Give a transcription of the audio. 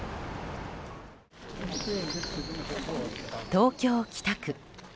東京・北区。